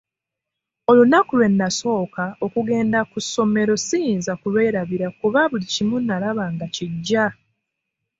Olunaku lwe nasooka okugenda ku ssomero siyinza kulwerabira kuba buli kimu nalaba nga kiggya!